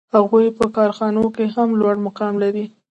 هغوی په کارخانو کې هم لوړ مقام لري